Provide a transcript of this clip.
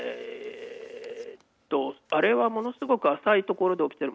あれはものすごく浅い所で起きている。